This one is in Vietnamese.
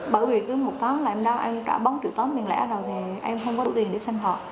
bởi vì cứ một tháng là em đau em trả bốn triệu tóm tiền lẻ rồi thì em không có đủ tiền để xem họ